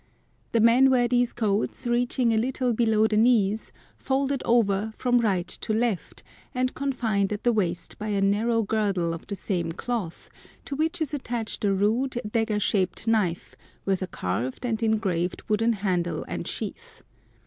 The men wear these coats reaching a little below the knees, folded over from right to left, and confined at the waist by a narrow girdle of the same cloth, to which is attached a rude, dagger shaped knife, with a carved and engraved wooden handle and sheath.